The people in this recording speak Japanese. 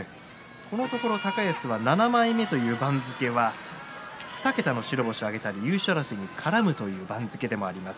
このところ高安は７枚目という番付は２桁の白星を挙げたり優勝争いに絡むという番付でもあります。